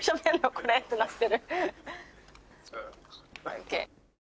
これってなってる。